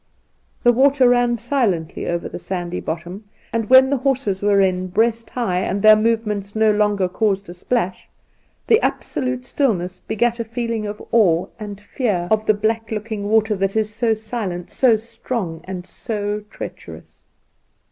The water ran silently over the sandy bottom, and when the horses were in breast high and their movements no longer caused a splash, the absolute stillness begat a feeling of awe and fear of the no Induna Nairn black looking water that is so silent, so strong, and so treacherous.